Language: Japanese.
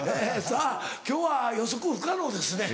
さぁ今日は予測不可能ですね。